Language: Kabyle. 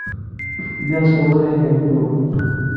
Lliɣ sserwaleɣ igerfiwen.